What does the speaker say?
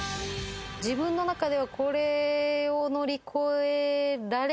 自分の中では。